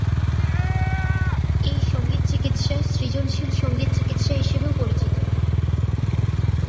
এই সঙ্গীত চিকিৎসা সৃজনশীল সঙ্গীত চিকিৎসা হিসেবেও পরিচিত।